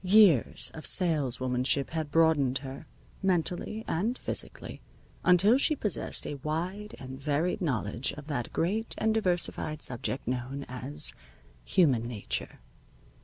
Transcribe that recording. Years of saleswomanship had broadened her, mentally and physically, until she possessed a wide and varied knowledge of that great and diversified subject known as human nature.